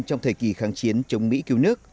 trong thời kỳ kháng chiến chống mỹ cứu nước